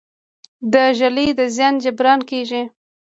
د ږلۍ د زیان جبران کیږي؟